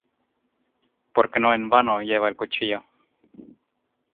porque no en vano lleva el cuchillo;